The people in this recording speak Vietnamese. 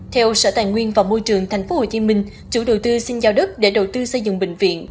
theo sở tài nguyên và môi trường tp hcm chủ đầu tư xin giao đất để đầu tư xây dựng bệnh viện